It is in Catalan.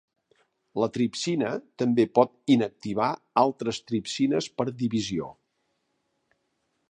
La tripsina també pot inactivar altres tripsines per divisió.